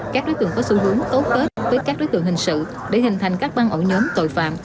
các đối tượng có xu hướng tốt tết với các đối tượng hình sự để hình thành các băng ổ nhóm tội phạm